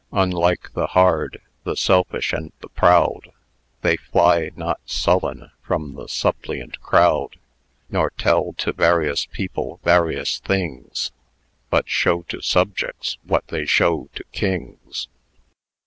Unlike the hard, the selfish, and the proud, They fly not sullen from the suppliant crowd, Nor tell to various people various things, But show to subjects what they show to kings.